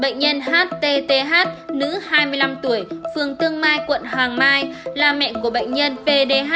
bệnh nhân htth nữ hai mươi năm tuổi phường tương mai quận hoàng mai là mẹ của bệnh nhân pdh